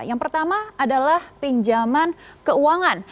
yang pertama adalah pinjaman keuangan